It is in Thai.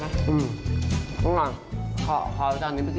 ไม่เชื่อจะลองชิมดูซิ